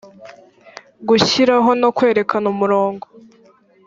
gushyiraho no kwerekana umurongo